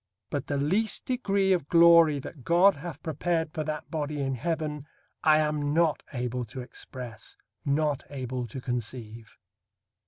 But the least degree of glory that God hath prepared for that body in heaven, I am not able to express, not able to conceive.